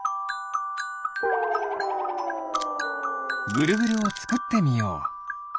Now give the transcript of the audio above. ぐるぐるをつくってみよう。